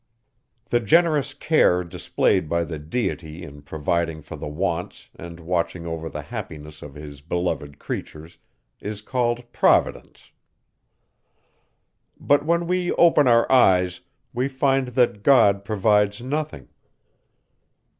The generous care, displayed by the Deity in providing for the wants, and watching over the happiness of his beloved creatures, is called Providence. But, when we open our eyes, we find that God provides nothing.